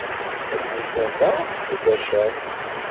Ad ten-id-rreɣ si Bacan.